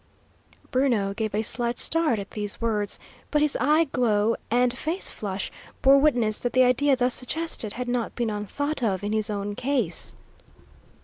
Bruno gave a slight start at these words, but his eye glow and face flush bore witness that the idea thus suggested had not been unthought of in his own case.